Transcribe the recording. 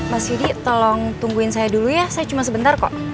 mas yudi tolong tungguin saya dulu ya saya cuma sebentar kok